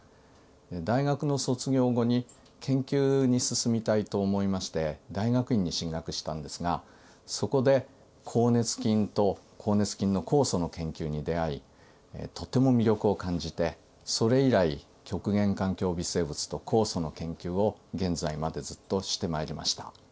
大学の卒業後に研究に進みたいと思いまして大学院に進学したんですがそこで好熱菌と好熱菌の酵素の研究に出会いとても魅力を感じてそれ以来極限環境微生物と酵素の研究を現在までずっとしてまいりました。